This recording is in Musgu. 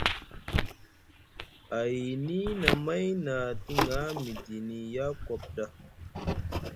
Ayni nʼamay na te ga midini Yacob ɗa.